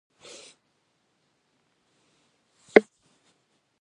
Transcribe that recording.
ამ ბრძოლაში მეფე დამარცხდა და მესამედ დატოვა იმერეთის ტახტი, მან თავი ქართლს შეაფარა.